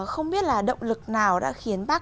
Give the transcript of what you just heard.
không biết là động lực nào đã khiến bác